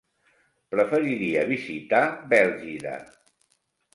Preferiria visitar Bèlgida.